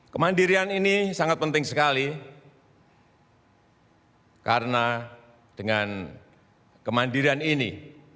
kemandirian ini sangat penting sekali karena dengan kemandirian ini